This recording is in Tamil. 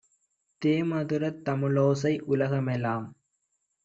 தேமதுரத் தமிழோசை உலகமெலாம்